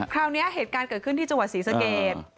คราวนี้เหตุการณ์เกิดขึ้นที่จังหวัดศรีสเกต